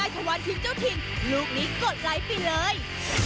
ในชวานถิงเจ้าถิงลูกนี้กดไลฟ์ไปเลย